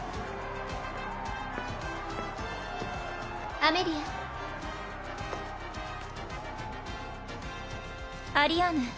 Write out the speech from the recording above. アメリアアリアーヌ